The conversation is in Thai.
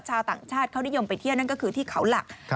ชาวต่างชาติเขานิยมไปเที่ยวนั่นก็คือที่เขาหลัก